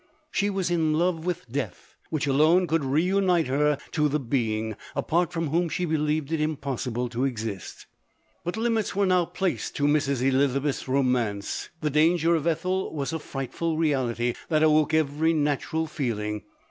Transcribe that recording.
She was in love with death, which alone could reunite her to the being, apart from whom she believed it impos sible to exist. But limits were now placed to Mrs. Eliza beth's romance. The danger of Ethel was a frightful reality that awoke every natural feel ing.